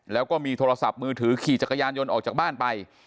แล้วก็มีโทรศัพท์มือถือขี่จักรยานยนต์ออกจากบ้านไป